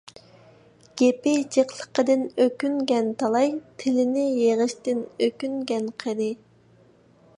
گېپى جىقلىقىدىن ئۆكۈنگەن تالاي، تىلىنى يىغىشتىن ئۆكۈنگەن قېنى؟